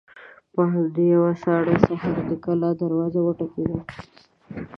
په همداسې يوه ساړه سهار د کلا دروازه وټکېده.